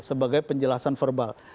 sebagai penjelasan verbal